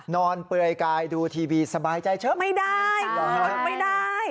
นอนเปื่อยกายดูทีวีสบายใจเฉินไม่ได้ไม่ได้